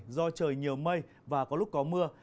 do trời nhiều mây và có lúc có mưa